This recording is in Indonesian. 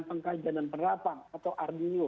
pengkajian dan penerapan atau ardio